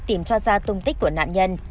tìm cho ra tung tích của nạn nhân